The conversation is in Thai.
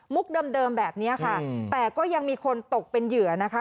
เดิมแบบนี้ค่ะแต่ก็ยังมีคนตกเป็นเหยื่อนะคะ